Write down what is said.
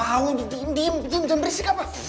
jauh diam diam jangan berisik apa